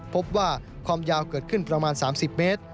พบว่าความยาวเกิดขึ้นประมาณ๓๐เมตร